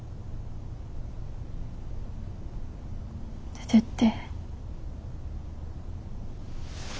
出てって。